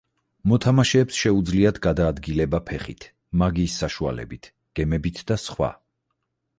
მოთამაშეებს შეუძლიათ გადაადგილება ფეხით, მაგიის საშუალებით, გემებით და სხვა.